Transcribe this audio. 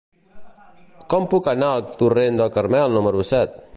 Com puc anar al torrent del Carmel número set?